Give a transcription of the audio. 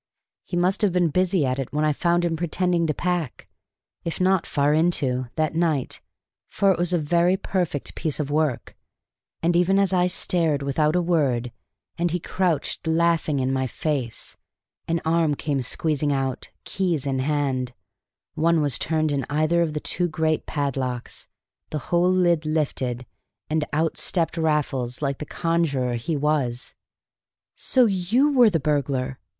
He must have been busy at it when I found him pretending to pack, if not far into that night, for it was a very perfect piece of work; and even as I stared without a word, and he crouched laughing in my face, an arm came squeezing out, keys in hand; one was turned in either of the two great padlocks, the whole lid lifted, and out stepped Raffles like the conjurer he was. "So you were the burglar!"